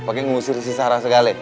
pake ngusir si sarah segala